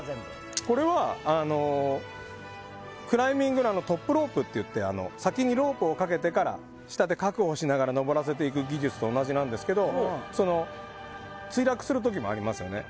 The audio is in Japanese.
これはクライミングのトップロープと言って先にロープをかけてから下で確保しながら登らせていく技術と同じですが墜落する時もありますよね。